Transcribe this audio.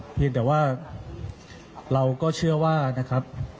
เพียงแต่ว่าเราก็เชื่อว่านะครับ